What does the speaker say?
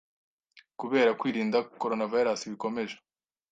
kubera kwirinda coronavirus bikomeje